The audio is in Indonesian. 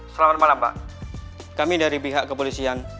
selamat malam pak kami dari pihak kepolisian